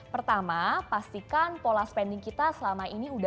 pertama pastikan pola spending kita selama ini